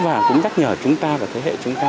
và cũng đắc nhờ chúng ta và thế hệ chúng ta